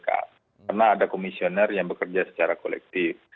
karena ada komisioner yang bekerja secara kolektif